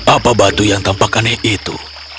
apa batu yang tampak aneh itu